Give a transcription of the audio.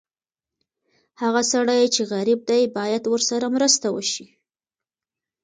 هغه سړی چې غریب دی، باید ورسره مرسته وشي.